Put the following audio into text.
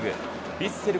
ヴィッセル